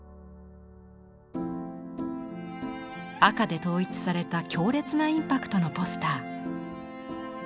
赤で統一された強烈なインパクトのポスター。